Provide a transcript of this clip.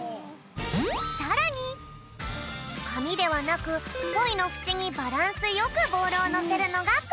さらにかみではなくポイのふちにバランスよくボールをのせるのがポイントだぴょん！